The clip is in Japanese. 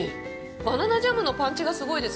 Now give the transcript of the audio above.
バナナジャムのパンチがすごいです。